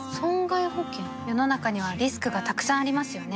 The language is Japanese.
世の中にはリスクがたくさんありますよね